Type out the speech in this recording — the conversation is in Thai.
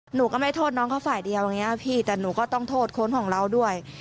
หนูก็ไม่โทษน้องเขาฝ่ายเดียวอย่างนี้พี่แต่หนูก็ต้องโทษคนของเราด้วย